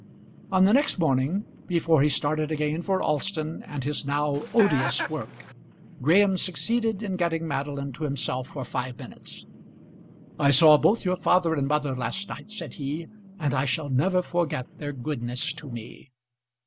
On the next morning before he started again for Alston and his now odious work, Graham succeeded in getting Madeline to himself for five minutes. "I saw both your father and mother last night," said he, "and I shall never forget their goodness to me."